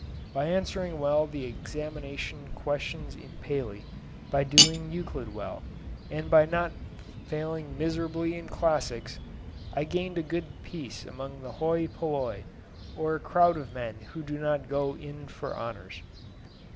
By answering well the examination questions in Paley, by doing Euclid well, and by not failing miserably in Classics, I gained a good place among the oi polloi or crowd of men who do not go in for honours.